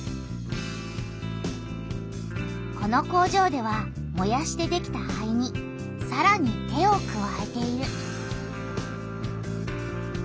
この工場ではもやしてできた灰にさらに手をくわえている。